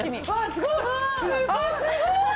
すごい！